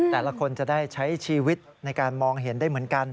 แต่ละคนจะได้ใช้ชีวิตในการมองเห็นได้เหมือนกัน